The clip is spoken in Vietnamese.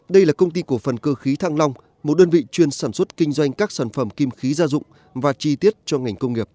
đây là công ty cổ phần cơ khí thăng long một đơn vị chuyên sản xuất kinh doanh các sản phẩm kim khí gia dụng và chi tiết cho ngành công nghiệp